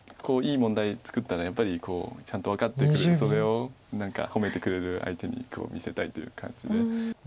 いい問題作ったらやっぱりちゃんと分かってくれるそれを何か褒めてくれる相手に見せたいという感じで。